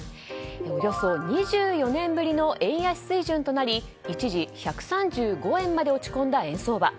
およそ２４年ぶりの円安水準となり一時１３５円まで落ち込んだ円相場。